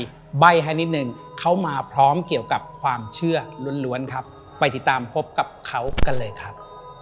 ใบ้ให้นิดนึงเขามาพร้อมเกี่ยวกับความเชื่อล้วนครับไปติดตามพบกับเขากันเลยครับ